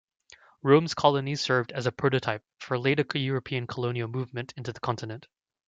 Rome's colonies "served as a prototype" for later European colonial movement into the continent.